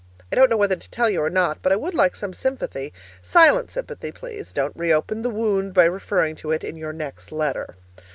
I don't know whether to tell you or not, but I would like some sympathy silent sympathy, please; don't re open the wound by referring to it in your next letter.